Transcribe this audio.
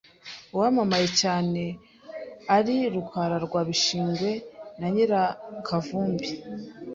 uwamamaye cyane ari Rukara rwa Bishingwe na Nyirakavumbi